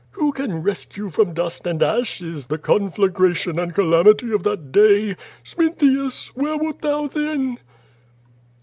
Who can rescue from dust and ashes. The conflagration and calamity of that day — Smintheus! where wert thou then?"